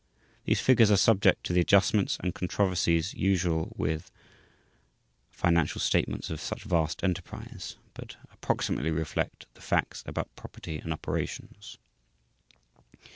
These figures are subject to the adjustments and controversies usual with financial statements of each vast enterprise but approximately reflect the facts about property and operations.